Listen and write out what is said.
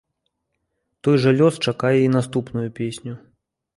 Той жа лёс чакае і наступную песню.